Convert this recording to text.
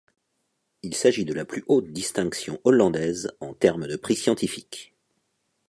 Il s'agit de la plus haute distinction hollandaise en termes de prix scientifique.